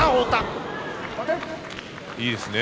いいですね。